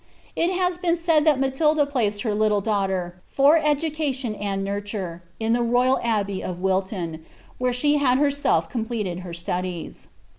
It has been said that Matilda placed iter iSl^n (laughter, for education and nmture. in tlte Koyal Abbey of W3t^^ I where uhe had herself completed Iter studies.